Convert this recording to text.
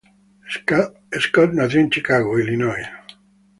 Scott nació en Chicago, Illinois.